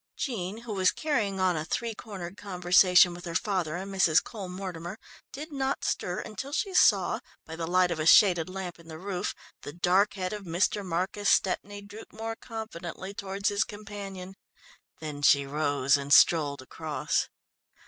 Jean, who was carrying on a three cornered conversation with her father and Mrs. Cole Mortimer, did not stir, until she saw, by the light of a shaded lamp in the roof, the dark head of Mr. Marcus Stepney droop more confidently towards his companion. Then she rose and strolled across.